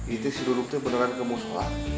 itu si duduk tuh beneran mau sholat